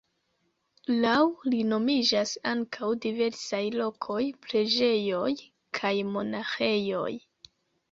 Laŭ li nomiĝas ankaŭ diversaj lokoj, preĝejoj kaj monaĥejoj.